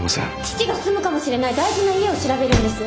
父が住むかもしれない大事な家を調べるんです。